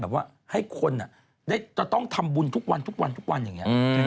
แบบว่าให้คนก็ต้องทำบุญทุกวันอย่างนี้